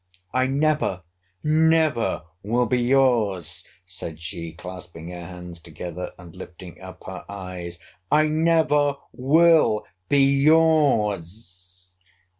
I never, never will be your's, said she, clasping her hands together, and lifting up her eyes!—I never will be your's!